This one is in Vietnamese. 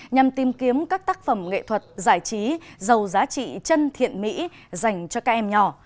nhằm tìm kiếm các tác phẩm nghệ thuật giải trí giàu giá trị chân thiện mỹ dành cho các em nhỏ